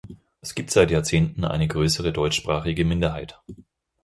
Es gibt seit Jahrzehnten eine grössere deutschsprachige Minderheit.